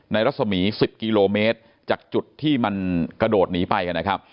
รัศมี๑๐กิโลเมตรจากจุดที่มันกระโดดหนีไปนะครับ